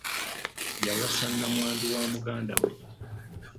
Yawasa nnamwandu wa muganda we.